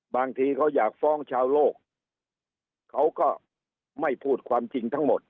บางทีเขาอยากฟ้องชาวโลกเขาก็ไม่พูดความจริงทั้งหมด